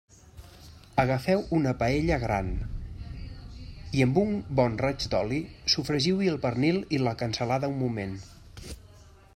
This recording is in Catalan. Agafeu una paella gran i amb un bon raig d'oli sofregiu-hi el pernil i la cansalada un moment.